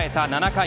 ７回。